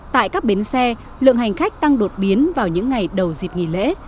tại các bến xe lượng hành khách tăng đột biến vào những ngày đầu dịp nghỉ lễ